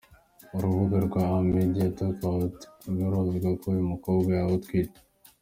Urubuga rwa MediaTakeOut rwo ruvuga ko uyu mukobwa yaba atwite.